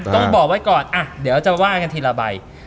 ต้องบอกไว้ก่อนเดี๋ยวจะว่ากันทีละใบ